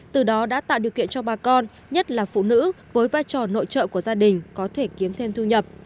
từ đó đã tạo điều kiện cho bà con nhất là phụ nữ với vai trò nội trợ của gia đình có thể kiếm thêm thu nhập